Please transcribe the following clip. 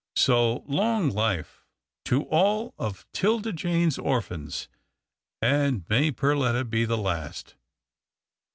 So, long life to all of 'Tilda Jane's orphans, and may Per letta be the last